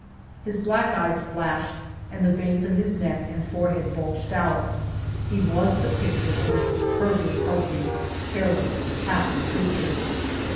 His black eyes flashed and the veins of his neck and forehead bulged out ; he was the picture of a superbly healthy, careless, happy creature.